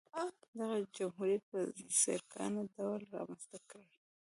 دغه جمهوریت په ځیرکانه ډول رامنځته کړل.